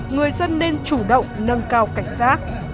người dân nên chủ động nâng cao cảnh giác